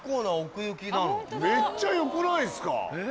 めっちゃよくないですか。